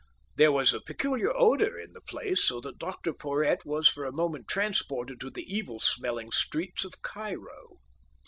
There was a peculiar odour in the place, so that Dr Porhoët was for a moment transported to the evil smelling streets of Cairo.